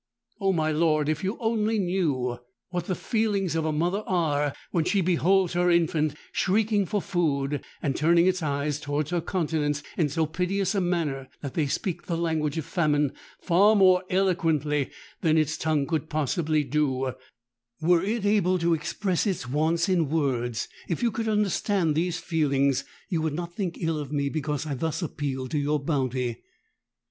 Oh! my lord, if you only knew what the feelings of a mother are when she beholds her infant shrieking for food, and turning its eyes towards her countenance in so piteous a manner that they speak the language of famine far more eloquently than its tongue could possibly do, were it able to express its wants in words,—if you could understand these feelings, you would not think ill of me because I thus appeal to your bounty!'